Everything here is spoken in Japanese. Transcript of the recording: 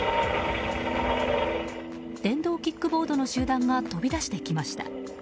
電動キックボードの集団が飛び出してきました。